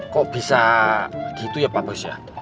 kok bisa gitu ya pak bos ya